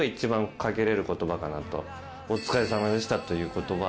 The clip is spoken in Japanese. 「お疲れさまでした」という言葉